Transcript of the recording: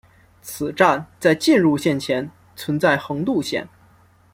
此站在进入线前存在横渡线。